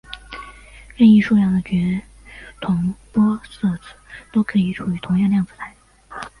任意数量的全同玻色子都可以处于同样量子态。